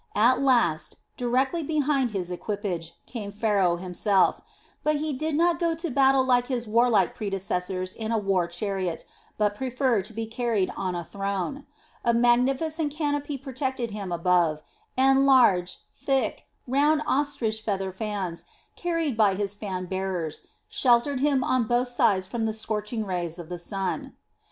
At last, directly behind his equipage, came Pharaoh himself; but he did not go to battle like his warlike predecessors in a war chariot, but preferred to be carried on a throne. A magnificent canopy protected him above, and large, thick, round ostrich feather fans, carried by his fan bearers, sheltered him on both sides from the scorching rays of the sun.